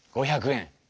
５００円？